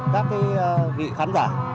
các vị khán giả